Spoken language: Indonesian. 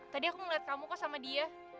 tadi aku ngeliat kamu kok sama dia